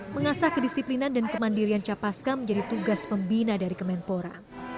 mengasah kedisiplinan dan kemandirian capaska menjadi tugas pembina dari kemenpora